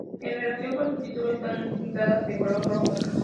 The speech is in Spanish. En relación con su título, están pintadas de color rojo.